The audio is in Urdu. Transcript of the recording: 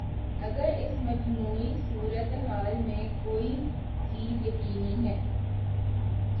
اگر اس مجموعی صورت حال میں کوئی چیز یقینی ہے۔